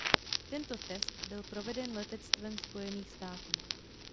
Tento test byl proveden letectvem Spojených států.